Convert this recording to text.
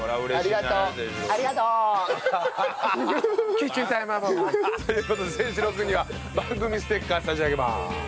キッチンタイマーボーイ。という事で清志郎くんには番組ステッカー差し上げます。